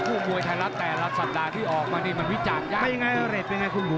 คู่มวยธนระแทนละสัปดาห์ที่ออกมานี่มันวิจาณยาก